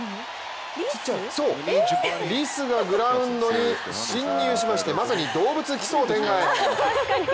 そう、リスがグラウンドに侵入いたしましてまさに「どうぶつ奇想天外！」